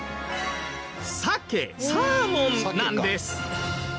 さけ・サーモンなんです。